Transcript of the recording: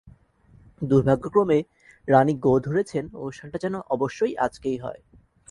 দুর্ভাগ্যক্রমে, রানি গো ধরেছেন, অনুষ্ঠানটা যেন অবশ্যই আজকেই হয়।